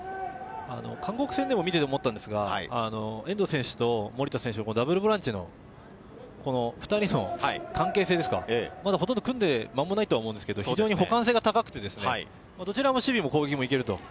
韓国戦でも見てて思ったんですが、遠藤選手と守田選手、ダブルボランチの２人の関係性ですが、ほとんど組んで間もないと思うんですけど、非常に補完性が高くてどちらの守備も攻撃もいけると。